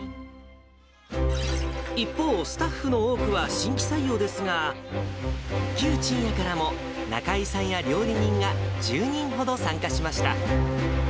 一方、スタッフの多くは新規採用ですが、旧ちんやからも、なかいさんや料理人が１０人ほど参加しました。